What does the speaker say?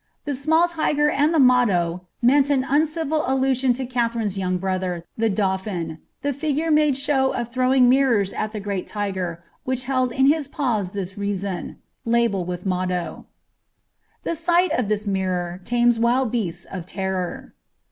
The small tiger and the motto meant an uncivil allusion to Kutherine's ▼oung brother, the dauphin ; the figure made show of throwing mirrors at the great tiger, which held in his paw this reason (label with motto) :— Gile che mirronr The sight of this mirror Ma festa distour. Tames wild bea^its of terror.